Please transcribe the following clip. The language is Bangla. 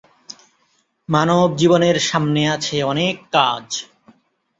মানবজীবনের সামনে আছে অনেক কাজ।